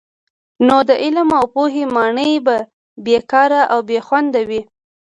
نو د علم او پوهي ماڼۍ به بې کاره او بې خونده وي.